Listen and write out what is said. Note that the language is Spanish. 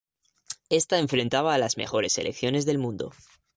Esta enfrentaba a las mejores selecciones del mundo.